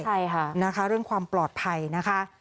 ใช่ค่ะนะคะเรื่องความปลอดภัยนะคะ